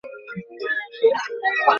যেন অন্য কেউ চুরি করে তাকে না দিতে পারে।